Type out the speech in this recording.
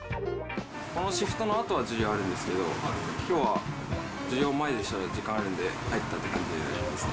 このシフトのあとは授業あるんですけど、きょうは授業前でしたら時間があるんで、入ったっていう感じです。